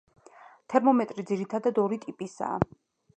თერმომეტრი ძირითადად ორი ტიპისაა.